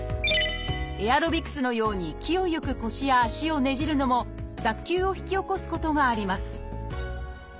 エアロビクスのように勢いよく腰や足をねじるのも脱臼を引き起こすことがあります